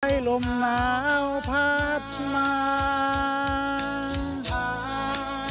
ให้ลมหนาวพัดมา